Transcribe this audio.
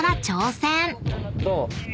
どう？